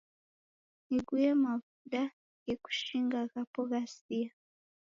Nighuye mavuda ghekushinga ghapo ghasiya